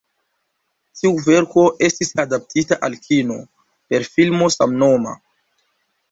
Tiu verko estis adaptita al kino, per filmo samnoma.